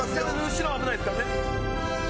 後ろ危ないですからね。